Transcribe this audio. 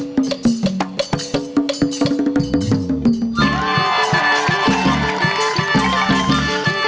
กลับมาที่สุดท้าย